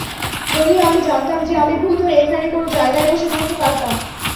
যদিও আমি জানতাম যে আমি ভূত হয়ে এখানে কোন জায়গায় বসে থাকতে পারতাম।